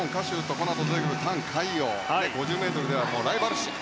このあと出てくるタン・カイヨウは５０ｍではライバル同士。